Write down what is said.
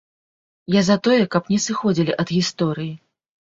Я за тое, каб не сыходзілі ад гісторыі.